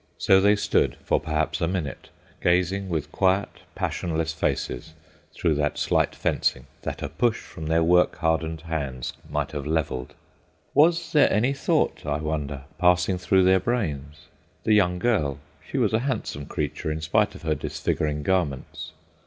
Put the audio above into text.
So they stood, for perhaps a minute, gazing with quiet, passionless faces through that slight fencing, that a push from their work hardened hands might have levelled. Was there any thought, I wonder, passing through their brains? The young girl—she was a handsome creature in spite of her disfiguring garments.